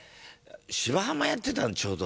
『芝浜』やってたのちょうど。